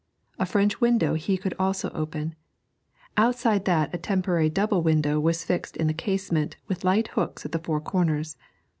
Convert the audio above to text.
A French window he could also open; outside that a temporary double window was fixed in the casement with light hooks at the four corners.